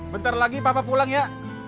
bentar lagi bapak pulang ya